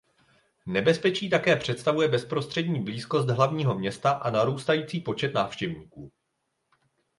Nebezpečí také představuje bezprostřední blízkost hlavního města a narůstající počet návštěvníků.